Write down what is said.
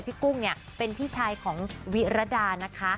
พี่กุ้งเป็นพี่ชายของวิรดานะคะ